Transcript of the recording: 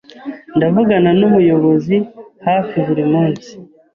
Ndavugana numuyobozi hafi buri munsi.